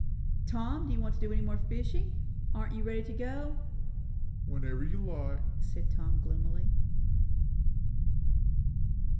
"Tom, do you want to do any more fishing? Aren't you ready to go?" "Whenever you like," said Tom gloomily.